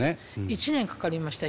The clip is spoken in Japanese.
１年かかりました。